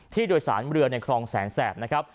ผู้โดยสารเรือในคลองแสนแสบนะครับ